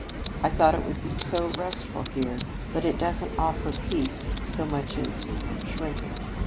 "I thought it would be so restful here, but it doesn't offer peace so much as shrinkage.